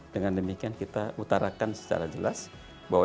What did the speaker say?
dengan demikian kita utarakan secara jelas bahwa